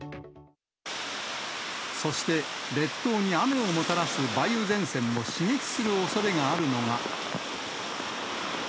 そして列島に雨をもたらす梅雨前線も刺激するおそれがあるのが。